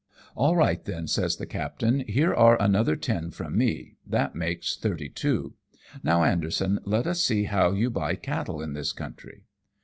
" All right, then," says the captain, " here are another ten from me, that makes thirty two. Now, Anderson, let us see how you buy cattle in this country."